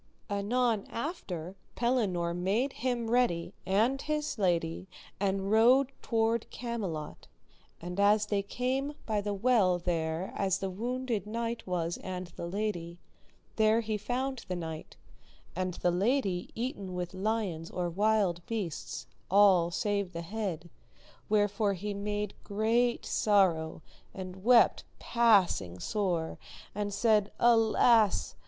Anon after Pellinore made him ready, and his lady, [and] rode toward Camelot; and as they came by the well there as the wounded knight was and the lady, there he found the knight, and the lady eaten with lions or wild beasts, all save the head, wherefore he made great sorrow, and wept passing sore, and said, Alas!